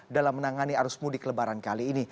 dalam menangani arus mudik lebaran kali ini